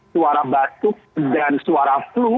suara batuk dan suara flu